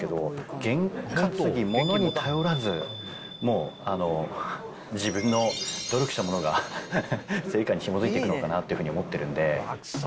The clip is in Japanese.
ゲン担ぎ、ものに頼らず、もう、自分の努力したものが成果にひもづいていくのかなと思ってるんで。